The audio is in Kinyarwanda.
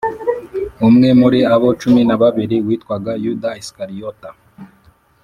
umwe muri abo cumi na babiri witwaga Yuda Isikariyota